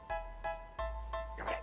頑張れ！